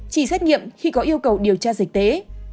chỉ xét nghiệm khi có yêu cầu điều tra dịch tễ